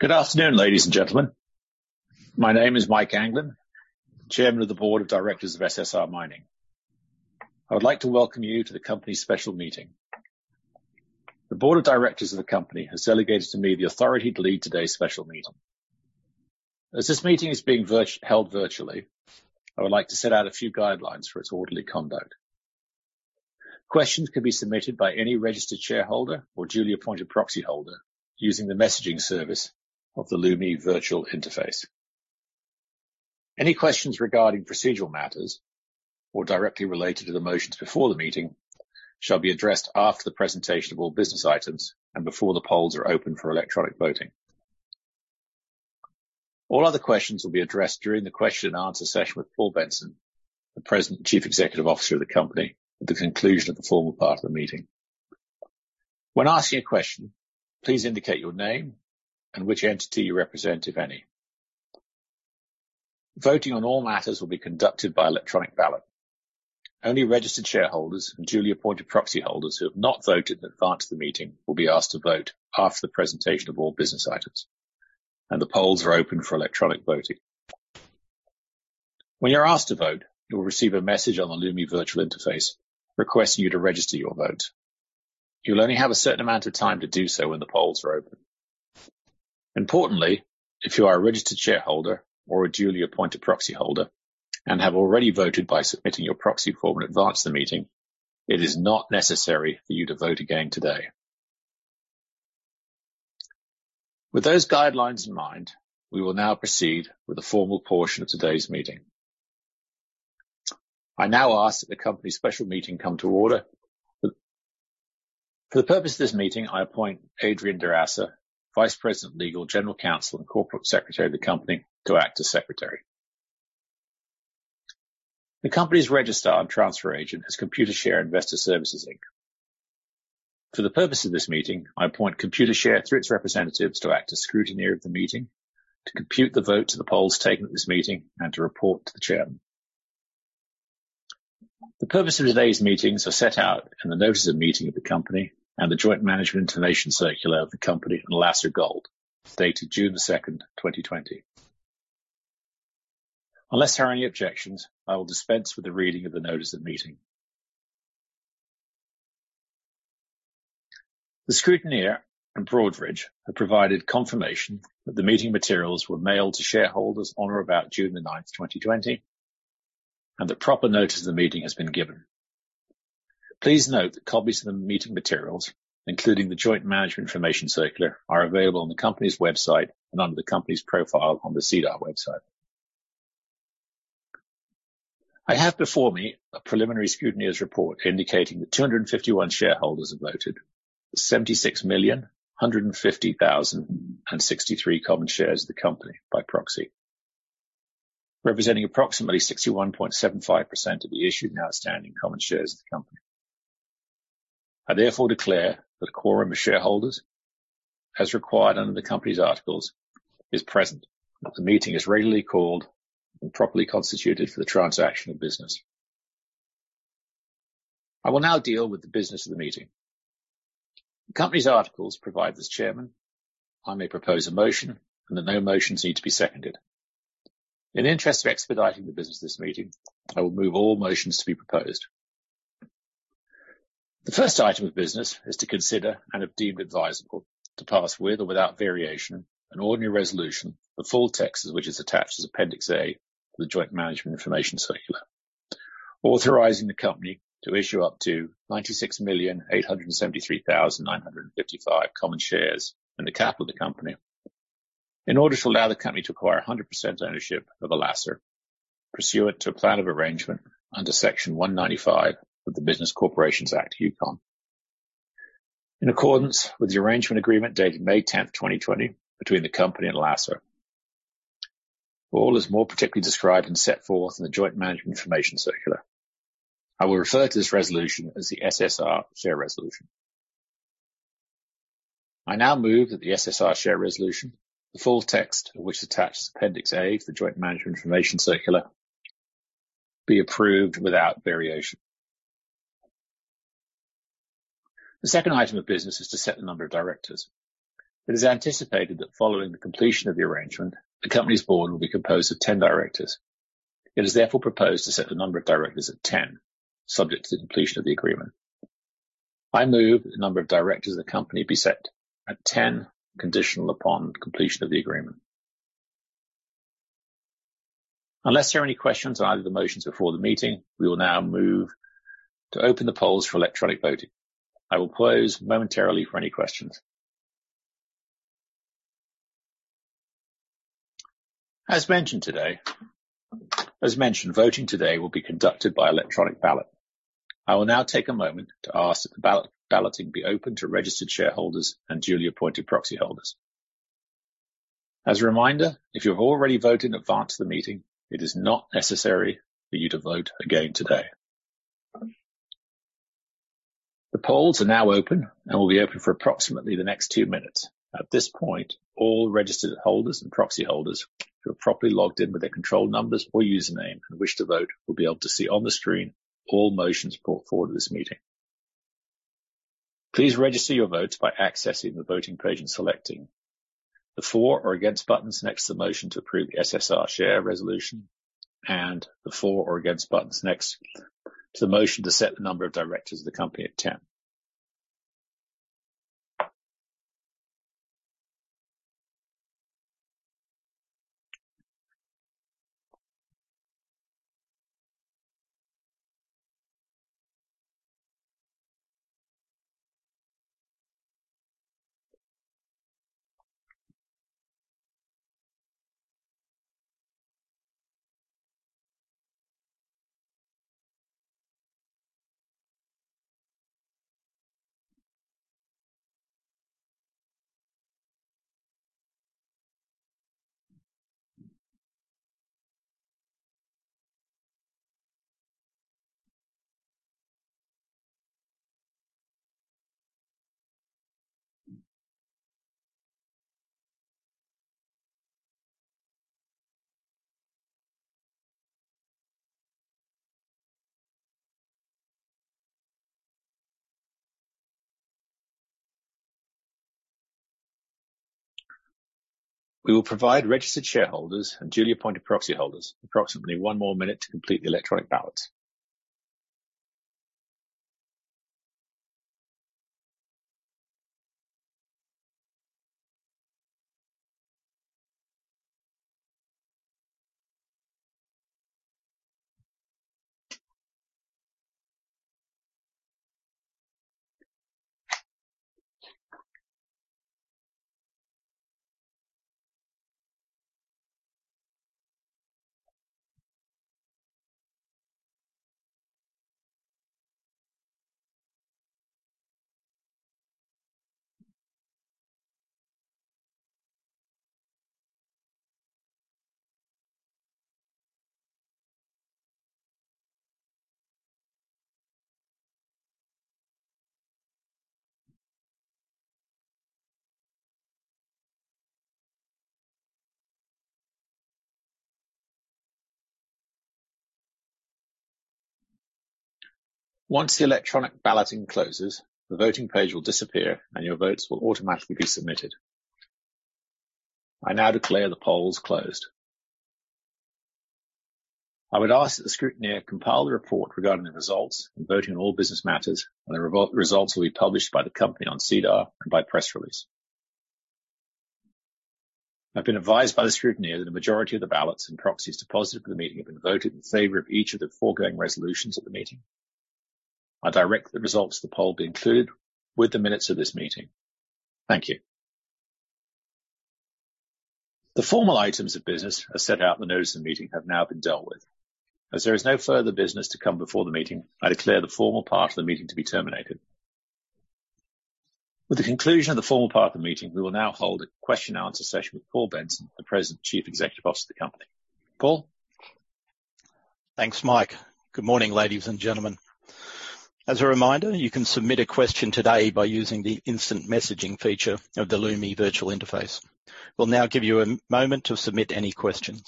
Good afternoon, ladies and gentlemen. My name is Mike Anglin, Chairman of the Board of Directors of SSR Mining. I would like to welcome you to the company's special meeting. The board of directors of the company has delegated to me the authority to lead today's special meeting. As this meeting is being held virtually, I would like to set out a few guidelines for its orderly conduct. Questions can be submitted by any registered shareholder or duly appointed proxyholder using the messaging service of the Lumi Virtual Interface. Any questions regarding procedural matters or directly related to the motions before the meeting shall be addressed after the presentation of all business items and before the polls are open for electronic voting. All other questions will be addressed during the question and answer session with Paul Benson, the President and Chief Executive Officer of the company, at the conclusion of the formal part of the meeting. When asking a question, please indicate your name and which entity you represent, if any. Voting on all matters will be conducted by electronic ballot. Only registered shareholders and duly appointed proxyholders who have not voted in advance of the meeting will be asked to vote after the presentation of all business items. The polls are open for electronic voting. When you're asked to vote, you will receive a message on the Lumi Virtual Interface requesting you to register your vote. You'll only have a certain amount of time to do so when the polls are open. Importantly, if you are a registered shareholder or a duly appointed proxyholder and have already voted by submitting your proxy form in advance of the meeting, it is not necessary for you to vote again today. With those guidelines in mind, we will now proceed with the formal portion of today's meeting. I now ask that the company's special meeting come to order. For the purpose of this meeting, I appoint Adrian Dirassar, Vice President, Legal, General Counsel, and Corporate Secretary of the company to act as Secretary. The company's registrar and transfer agent is Computershare Investor Services Inc. For the purpose of this meeting, I appoint Computershare through its representatives to act as scrutineer of the meeting, to compute the votes of the polls taken at this meeting, and to report to the Chairman. The purpose of today's meetings are set out in the notice of meeting of the company and the joint management information circular of the company and Alacer Gold, dated June the 2nd, 2020. Unless there are any objections, I will dispense with the reading of the notice of meeting. The scrutineer and Broadridge have provided confirmation that the meeting materials were mailed to shareholders on or about June the 9th, 2020, and that proper notice of the meeting has been given. Please note that copies of the meeting materials, including the joint management information circular, are available on the company's website and under the company's profile on the SEDAR website. I have before me a preliminary scrutineer's report indicating that 251 shareholders have voted, 76,150,063 common shares of the company by proxy, representing approximately 61.75% of the issued and outstanding common shares of the company. I therefore declare that a quorum of shareholders, as required under the company's articles, is present, that the meeting is regularly called and properly constituted for the transaction of business. I will now deal with the business of the meeting. The company's articles provide that as Chairman, I may propose a motion and that no motions need to be seconded. In the interest of expediting the business of this meeting, I will move all motions to be proposed. The first item of business is to consider and have deemed advisable to pass with or without variation an ordinary resolution, the full text of which is attached as Appendix A to the joint management information circular, authorizing the company to issue up to 96,873,955 common shares in the capital of the company in order to allow the company to acquire 100% ownership of Alacer pursuant to a plan of arrangement under Section 195 of the Business Corporations Act, Yukon. In accordance with the arrangement agreement dated May 10th, 2020, between the company and Alacer. All is more particularly described and set forth in the joint management information circular. I will refer to this resolution as the SSR Share Resolution. I now move that the SSR Share Resolution, the full text of which is attached as Appendix A to the joint management information circular, be approved without variation. The second item of business is to set the number of directors. It is anticipated that following the completion of the arrangement, the company's board will be composed of 10 directors. It is therefore proposed to set the number of directors at 10, subject to the completion of the agreement. I move that the number of directors of the company be set at 10, conditional upon completion of the agreement. Unless there are any questions on either of the motions before the meeting, we will now move to open the polls for electronic voting. I will pause momentarily for any questions. As mentioned, voting today will be conducted by electronic ballot. I will now take a moment to ask that the balloting be open to registered shareholders and duly appointed proxyholders. As a reminder, if you have already voted in advance of the meeting, it is not necessary for you to vote again today. The polls are now open and will be open for approximately the next 2 minutes. At this point, all registered holders and proxyholders who are properly logged in with their control numbers or username and wish to vote will be able to see on the screen all motions put forward at this meeting. Please register your votes by accessing the voting page and selecting the For or Against buttons next to the motion to approve the SSR Share Resolution and the For or Against buttons next to the motion to set the number of directors of the company at 10. We will provide registered shareholders and duly appointed proxyholders approximately one more minute to complete the electronic ballots. Once the electronic balloting closes, the voting page will disappear, and your votes will automatically be submitted. I now declare the polls closed. I would ask that the scrutineer compile the report regarding the results and voting on all business matters, and the results will be published by the company on SEDAR and by press release. I've been advised by the scrutineer that a majority of the ballots and proxies deposited for the meeting have been voted in favor of each of the foregoing resolutions at the meeting. I direct the results of the poll be included with the minutes of this meeting. Thank you. The formal items of business, as set out in the notice of the meeting, have now been dealt with. As there is no further business to come before the meeting, I declare the formal part of the meeting to be terminated. With the conclusion of the formal part of the meeting, we will now hold a question and answer session with Paul Benson, the President Chief Executive Officer of the company. Paul? Thanks, Mike. Good morning, ladies and gentlemen. As a reminder, you can submit a question today by using the instant messaging feature of the Lumi Virtual Interface. We'll now give you a moment to submit any questions.